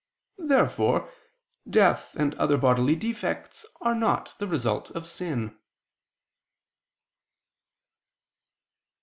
Therefore death and other bodily defects are not the result of sin.